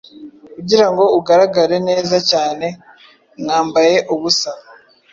kugirango ugaragare neza cyane mwambaye ubusa